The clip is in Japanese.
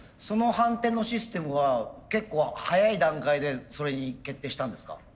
その反転のシステムは結構早い段階でそれに決定したんですか？